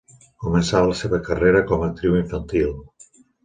Començà la seva carrera com a actriu infantil.